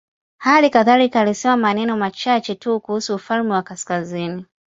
Hali kadhalika alisema maneno machache tu kuhusu ufalme wa kaskazini.